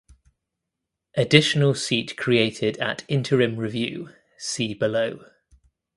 Additional seat created at interim review (see below).